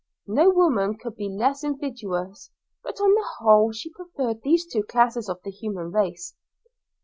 No woman could be less invidious, but on the whole she preferred these two classes of the human race.